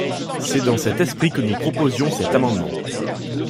C’est dans cet esprit que nous proposions cet amendement.